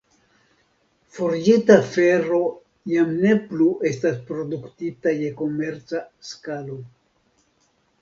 Forĝita fero jam ne plu estas produktita je komerca skalo.